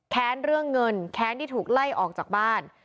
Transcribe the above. เรื่องเงินแค้นที่ถูกไล่ออกจากบ้าน